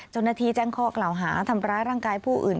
เจ้าหน้าที่แจ้งข้อกล่าวหาทำร้ายร่างกายผู้อื่น